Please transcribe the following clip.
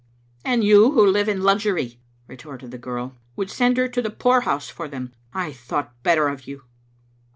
"And you who live in luxury," retorted the girl, " would send her to the poorhouse for them. I thought better of you!"